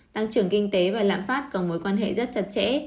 tăng trưởng kinh tế và lạm phát có mối quan hệ rất chặt chẽ